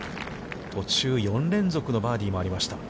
途中４連続のバーディーもありました。